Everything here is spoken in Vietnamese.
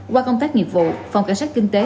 qua công tác nghiệp vụ phòng cảnh sát kinh tế